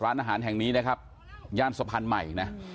ร้านอาหารแห่งนี้นะครับย่านสะพานใหม่นะ